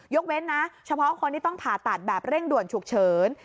เว้นนะเฉพาะคนที่ต้องผ่าตัดแบบเร่งด่วนฉุกเฉิน